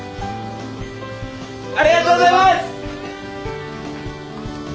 ありがとうございます！